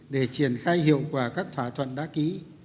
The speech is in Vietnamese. để triển khai hiệu quả các thỏa thuận đã ký